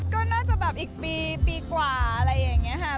ก็น่าจะแบบอีกปีกว่าอะไรอย่างนี้ค่ะ